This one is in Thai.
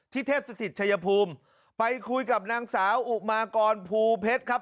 เทพสถิตชายภูมิไปคุยกับนางสาวอุมากรภูเพชรครับ